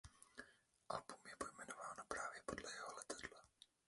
Album je pojmenováno právě podle jeho letadla.